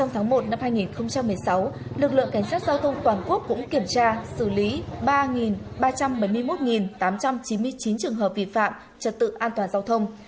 trong tháng một năm hai nghìn một mươi sáu lực lượng cảnh sát giao thông toàn quốc cũng kiểm tra xử lý ba ba trăm bảy mươi một tám trăm chín mươi chín trường hợp vi phạm trật tự an toàn giao thông